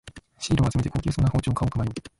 シールを集めて高級そうな包丁を買おうか迷う